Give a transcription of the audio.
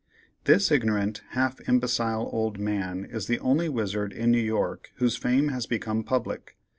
This ignorant, half imbecile old man is the only wizard in New York whose fame has become public.